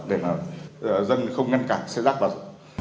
để mà dân không ngăn cản xe rác vào rồi